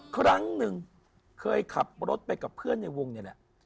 ครั้งหนึ่งเคยขับรถไปกับเพื่อนในวงนี่แหละ